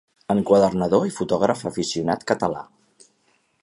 Enquadernador i fotògraf aficionat català.